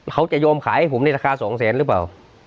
เขาจะยอมขายให้ผมในราคา๒แสนหรือเปล่า